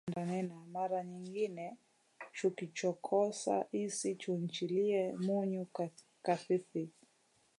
Mame andanena mara nyingine chukichokosa isii chunchilie munyu kathithi